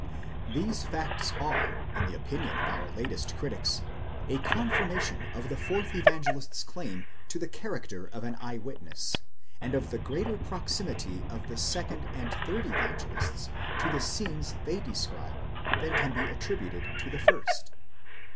These facts are, in the opinion of our latest critics, a confirmation of the fourth Evangelist's claim to the character of an eye witness, and of the greater proximity of the second and third Evangelists to the scenes they describe, than can be attributed to the first.